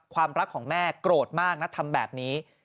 ความรักของแม่โกรธมากนะทำแบบนี้